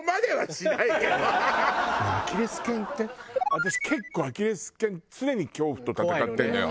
アキレス腱って私結構アキレス腱常に恐怖と戦ってるのよ。